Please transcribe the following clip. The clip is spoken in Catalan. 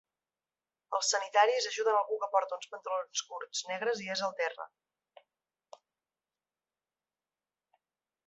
Els sanitaris ajuden algú que porta uns pantalons curts negres i és al terra.